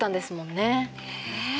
ねえ。